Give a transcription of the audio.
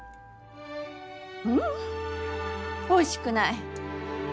ううんおいしくない。